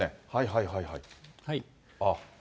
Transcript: はいはいはいはい。